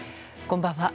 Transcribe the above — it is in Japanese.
こんばんは。